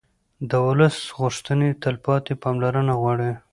د ولس غوښتنې تلپاتې پاملرنه غواړي